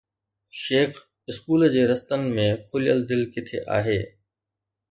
Shaikh school جي رستن ۾ کليل دل ڪٿي آهي؟